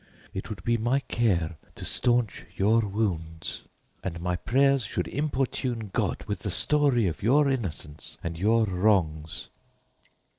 It would be my care to staunch your wounds, and my prayers should importune God with the story of your innocence and your wrongs.